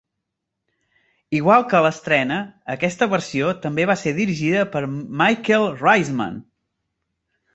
Igual que a l'estrena, aquesta versió també va ser dirigida per Michael Riesman.